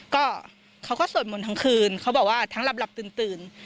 ก็เขาก็สวดมนต์ทั้งคืนเขาบอกว่าทั้งหลับตื่น